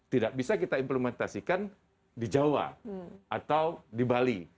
tidak bisa kita implementasikan di jawa atau di bali